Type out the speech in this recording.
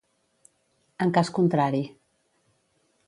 En cas contrari.